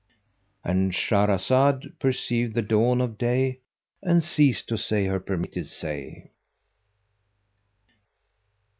"—And Shahrazad perceived the dawn of day and ceased to say her permitted say.